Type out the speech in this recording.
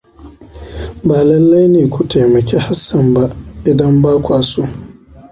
Ba lallai ne ku taimaki Hassan ba idan ba kwa so.